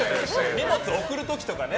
荷物を送る時とかね